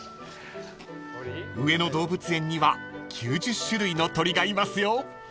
［上野動物園には９０種類の鳥がいますよ］